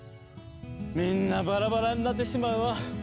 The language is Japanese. みんなバラバラになってしまうわ。